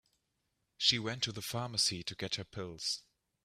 She went to the pharmacy to get her pills.